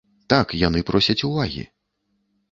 Так яны просяць увагі.